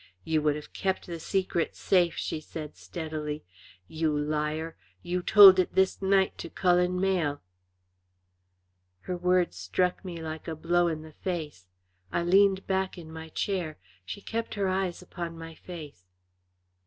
"You would have kept the secret safe," she said, steadily. "You liar! You told it this night to Cullen Mayle." Her words struck me like a blow in the face. I leaned back in my chair. She kept her eyes upon my face.